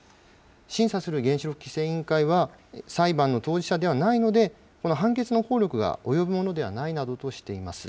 審査する原子力規制委員会は、裁判の当事者ではないので、この判決の効力が及ぶものではないなどとしています。